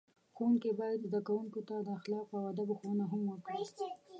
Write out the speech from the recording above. ښوونکي باید زده کوونکو ته د اخلاقو او ادب ښوونه هم وکړي.